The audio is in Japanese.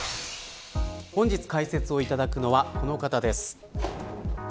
本日、解説をいただくのはこの方です。